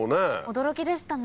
驚きでしたね。